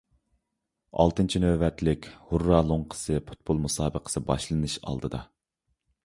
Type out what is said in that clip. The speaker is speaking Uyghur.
ئالتىنچى نۆۋەتلىك «ھۇررا» لوڭقىسى پۇتبول مۇسابىقىسى باشلىنىش ئالدىدا.